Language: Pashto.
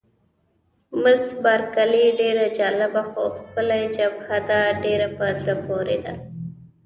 مس بارکلي: ډېره جالبه، خو ښکلې جبهه ده، ډېره په زړه پورې ده.